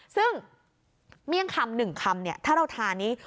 ซึ่งเมี่ยงคำ๑คำถ้าเราทานี้